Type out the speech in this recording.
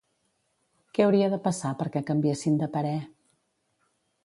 Què hauria de passar perquè canviessin de parer?